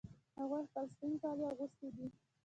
هغې خپل سپین کالي اغوستې دي